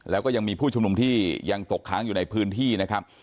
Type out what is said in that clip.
แล้วก็ยังมีผู้ชุมนุมที่ยังตกค้างอยู่ในพื้นที่นะครับ